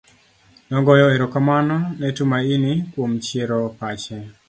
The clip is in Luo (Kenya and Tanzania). Nogoyo ero kamano ne Tumaini kuom chiero pache